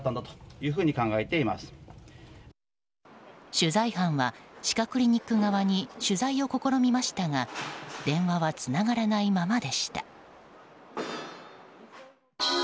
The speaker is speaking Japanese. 取材班は歯科クリニック側に取材を試みましたが電話はつながらないままでした。